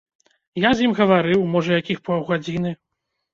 Я з ім гаварыў, можа, якіх паўгадзіны.